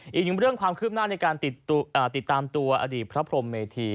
อีกหนึ่งเรื่องความคืบหน้าในการติดตามตัวอดีตพระพรมเมธี